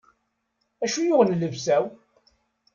Acu yuɣen llebsa-w?